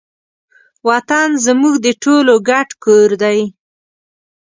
وطن زموږ د ټولو ګډ کور دی.